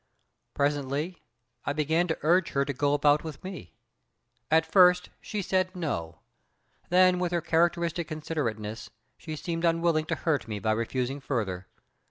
"Presently I began to urge her to go about with me. At first she said no, then with her characteristic considerateness she seemed unwilling to hurt me by refusing further.